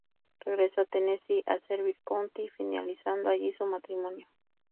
Regresó a Tennessee, a Sevier County, finalizando allí su matrimonio.